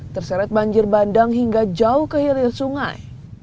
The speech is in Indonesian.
terseret banjir bandang hingga jauh ke hilir sungai